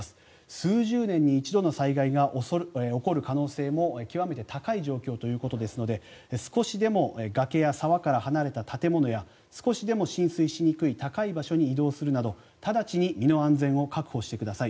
数十年に一度の災害が起こる可能性も極めて高い状況ということですので少しでも崖や沢から離れた建物や少しでも浸水しにくい高い場所に移動するなど直ちに身の安全を確保してください。